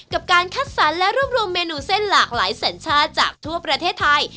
กับการคัดสรรและรวบรวมเมนูเส้นหลากหลายสัญชาติจากทั่วประเทศไทย